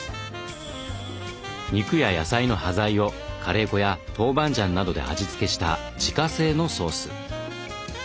肉や野菜の端材をカレー粉や豆板醤などで味付けした自家製のソース。